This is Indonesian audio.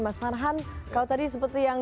mas farhan kalau tadi seperti yang